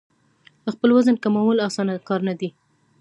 خپل وزن کمول اسانه کار نه دی.